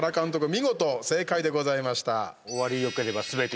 見事、正解でございました。